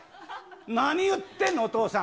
何言ってんの、お父さん。